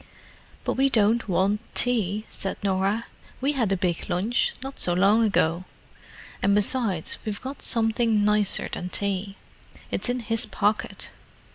"But we don't want tea," said Norah. "We had a big lunch, not so long ago. And besides, we've got something nicer than tea. It's in his pocket."